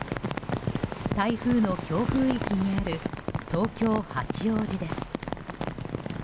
台風の強風域にある東京・八王子です。